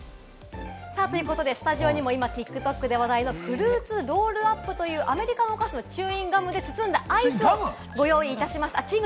スタジオにも今ＴｉｋＴｏｋで話題のフルーツロールアップというアメリカのお菓子のチューインガムで包んだアイスをご用意しました。